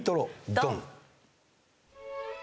ドン！